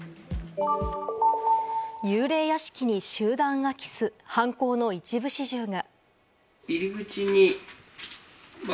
幽霊屋敷に集団空き巣、犯行の一部始終が。